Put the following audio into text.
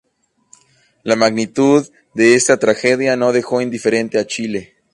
La magnitud de esta tragedia no dejó indiferente a Chile.